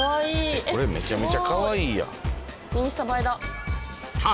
これめちゃめちゃカワイイやん。